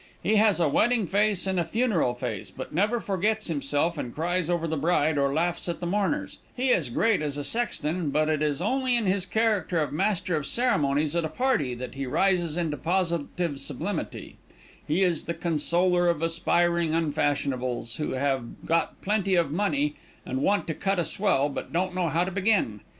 He has a wedding face and a funeral face, but never forgets himself and cries over the bride or laughs at the mourners; he is great as a sexton, but it is only in his character of master of ceremonies at a party, that he rises into positive sublimity he is the consoler of aspiring unfashionables, who have got plenty of money, and want to cut a swell, but don't know how to begin.